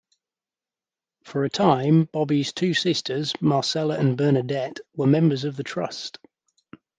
For a time Bobby's two sisters, Marcella and Bernadette, were members of the Trust.